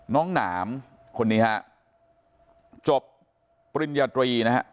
น้องหนามคนนี้ค่ะจบปริญญาตรีนะครับ